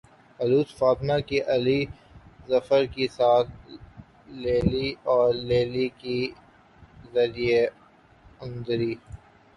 عروج فاطمہ کی علی ظفر کے ساتھ لیلی او لیلی کے ذریعے انٹری